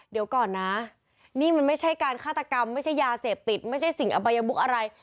เดี๋ยวก่อนนะนี่มันไม่ใช่การฆาตกรรมไม่ใช่ยาเสพติดไม่ใช่สิ่งอบายมุกอะไร